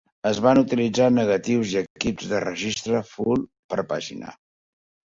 Es van utilitzar negatius i equips de registre "full per pàgina".